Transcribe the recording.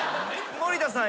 森田さん。